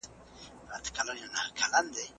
هغه څوک چي صبر کوي، بريالی کېږي.